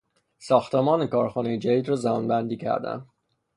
ساختمان کارخانهی جدید را زمانبندی کردند.